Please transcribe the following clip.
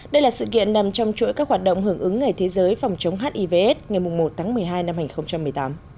đây là sự kiện nằm trong chuỗi các hoạt động hưởng ứng ngày thế giới phòng chống hiv aids ngày một một mươi hai hai nghìn một mươi tám